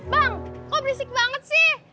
bang kok berisik banget sih